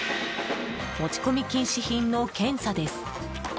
持ち込み禁止品の検査です。